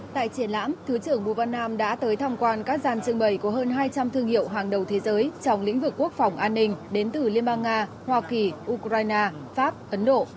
tại triển lãm thứ trưởng bùi văn nam đã tới tham quan các gian trưng bày của hơn hai trăm linh thương hiệu hàng đầu thế giới trong lĩnh vực quốc phòng an ninh đến từ liên bang nga hoa kỳ ukraine pháp ấn độ